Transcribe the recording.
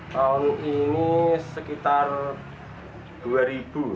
tahun ini sekitar dua